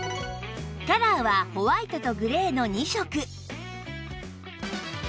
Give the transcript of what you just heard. カラーはホワイトとグレーの２色